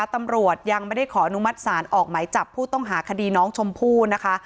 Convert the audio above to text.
ตำรวจยังไม่ได้ขออนุมัติศาลออกไหมจับผู้ต้องหาคดีน้องชมพู่นะคะ